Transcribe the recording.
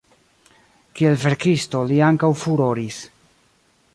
Kiel verkisto li ankaŭ furoris.